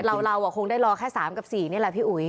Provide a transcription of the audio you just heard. เราคงได้รอแค่๓กับ๔นี่แหละพี่อุ๋ย